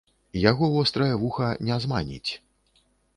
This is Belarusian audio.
Яго вострае вуха не зманіць.